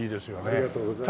ありがとうございます。